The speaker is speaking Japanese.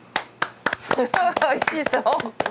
おいしそう！